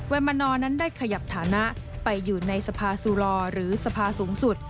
มานอร์นั้นได้ขยับฐานะไปอยู่ในสภาซูลอหรือสภาสูงสุด